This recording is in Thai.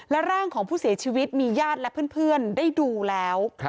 และร่างของผู้เสียชีวิตมีญาติและเพื่อนได้ดูแล้ว